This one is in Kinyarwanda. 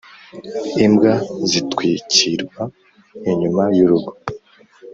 imbwa zitwikirwa inyuma y urugo